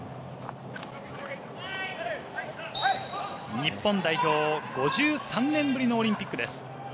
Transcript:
日本代表、５３年ぶりのオリンピックです。